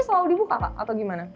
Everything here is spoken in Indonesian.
apa dibuka kak atau gimana